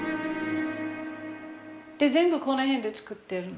全部この辺で作ってるの？